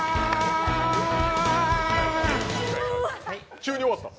急に終わった！